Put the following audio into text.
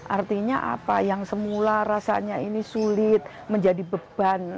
artinya apa yang semula rasanya ini sulit menjadi beban